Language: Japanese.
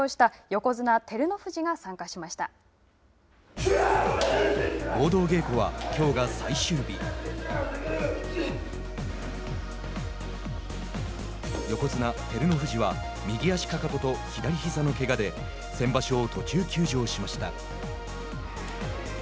横綱・照ノ富士は右足かかとと左ひざのけがで先場所を途中休場しました。